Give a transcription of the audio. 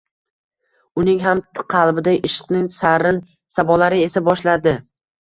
Uning ham qalbida ishqning sarrin sabolari esa boshladi